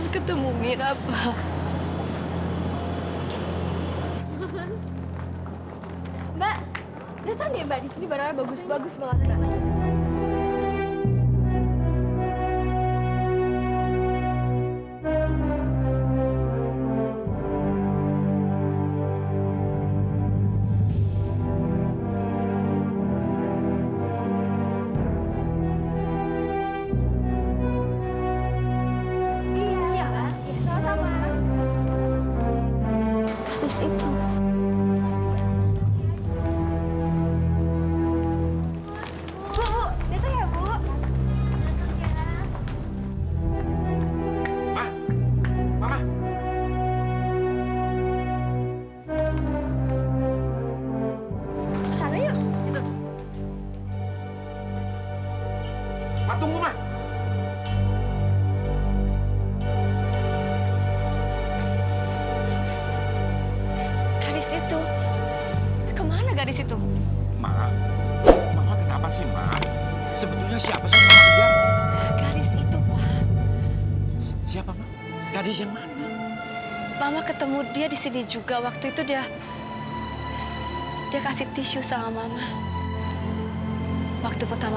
kita harus selalu kesini mama